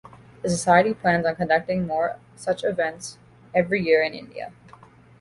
The society plans on conducting more such events every year in India.